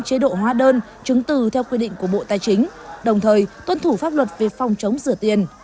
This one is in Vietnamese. chế độ hóa đơn chứng từ theo quy định của bộ tài chính đồng thời tuân thủ pháp luật về phòng chống rửa tiền